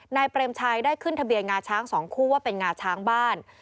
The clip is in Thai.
เปรมชัยได้ขึ้นทะเบียนงาช้าง๒คู่ว่าเป็นงาช้างบ้าน